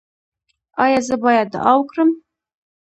ایا زه باید دعا وکړم؟